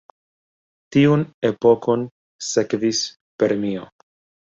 Tiun epokon sekvis Permio.